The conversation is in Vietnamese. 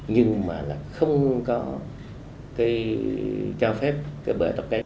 nhưng mà là không có cái cho phép cái bể tập kết